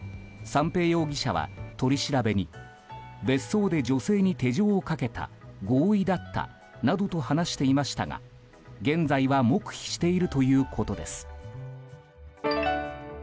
三瓶容疑者は取り調べに別荘で女性に手錠をかけた合意だった、などと話していましたが現在は黙秘しているということです。